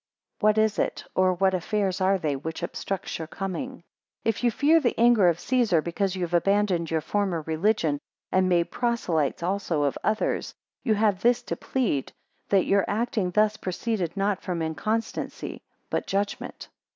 2 What is it, or what affairs are they, which obstructs your coming? 3 If you fear the anger of Caesar because you have abandoned your former religion, and made proselytes also of others, you have this to plead, that your acting thus proceeded not from inconstancy, but judgment.